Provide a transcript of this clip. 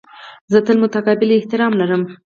زه تل متقابل احترام لرم.